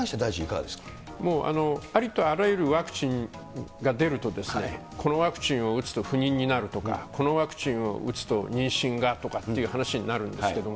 もう、ありとあらゆるワクチンが出ると、このワクチンを打つと不妊になるとか、このワクチンを打つと妊娠がとかっていう話になるんですけれども。